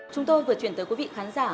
chúng tôi vừa chuyển tới quý vị khán giả